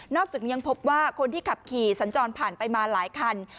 อกจากนี้ยังพบว่าคนที่ขับขี่สัญจรผ่านไปมาหลายคัน